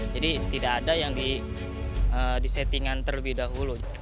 jadi tidak ada yang disettingan terlebih dahulu